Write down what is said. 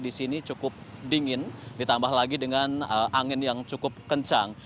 di sini cukup dingin ditambah lagi dengan angin yang cukup kencang